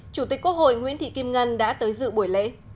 chủ tịch quốc hội nguyễn thị kim ngân đã tới dự buổi lễ